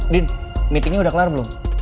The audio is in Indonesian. din meetingnya udah kelar belum